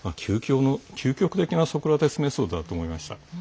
究極的なソクラテス・メソッドだと思いました。